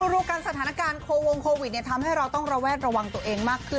ดูกันสถานการณ์โควงโควิดทำให้เราต้องระแวดระวังตัวเองมากขึ้น